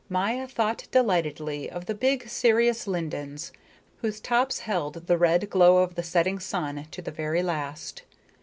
Maya thought delightedly of the big serious lindens, whose tops held the red glow of the setting sun to the very last.